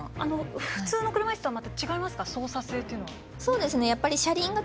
普通の車いすと違いますか、操作性というのは。